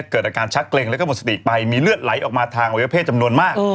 เกิดอาการชักเกร็งแล้วก็หมดสติไปมีเลือดไหลออกมาทางอวัยวะเพศจำนวนมาก